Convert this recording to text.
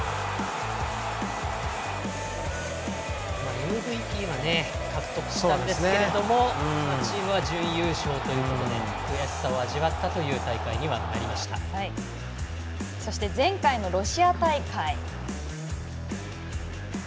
ＭＶＰは獲得したんですけどチームは準優勝ということで悔しさを味わったというそして前回のロシア大会。